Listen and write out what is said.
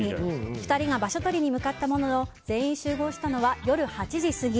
２人が場所取りに向かったものの全員集合したのは夜８時過ぎ。